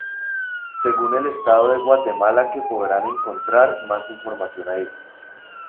Según el estado de Guatemala que podrán encontrar más información ahí.